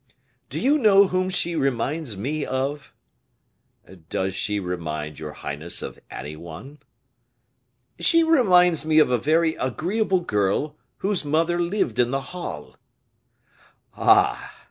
"Do you know whom she reminds me of?" "Does she remind your highness of any one?" "She reminds me of a very agreeable girl, whose mother lived in the Halles." "Ah!